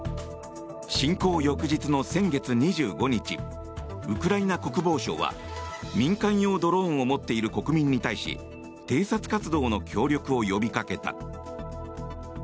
侵攻翌日の先月２５日ウクライナ国防省は民間用ドローンを持っている国民に対し偵察活動の協力を呼びかけた。